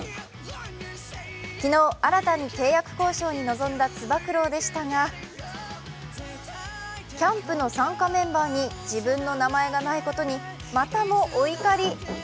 昨日新たに契約交渉に臨んだつば九郎でしたがキャンプの参加メンバーに自分の名前がないことに、またもお怒り。